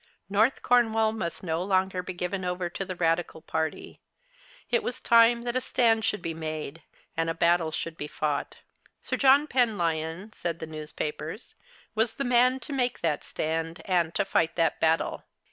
North Cornwall must no longer be given over to the Eadical party. It was time that a stand should be made, and a battle should be fought. Sir John Penlyon, said the newspapers, was the man to make that stand, and to fight that battle.